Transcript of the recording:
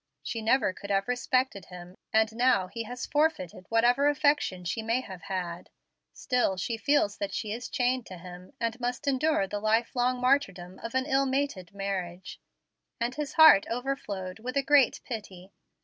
"She never could have respected him, and now he has forfeited whatever affection she may have had. Still she feels that she is chained to him, and must endure the life long martyrdom of an ill mated marriage"; and his heart overflowed with a great pity.